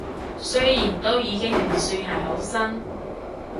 雖然都已經唔算係好新